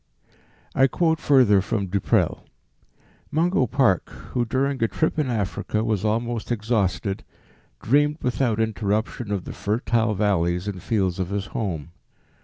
I quote further from Du Prel. "Mungo Park, who during a trip in Africa was almost exhausted, dreamed without interruption of the fertile valleys and fields of his home.